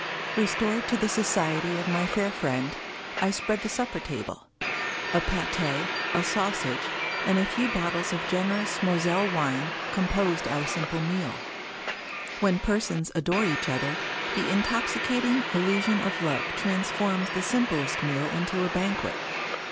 Restored to the society of my fair friend, I spread the supper table. A pate, a sausage, and a few bottles of gen erous Moselle wine, composed our simple meal. When 266 JVilkie Collins persons adore each other, the intoxicating illusion of Love transforms the simplest meal into a banquet.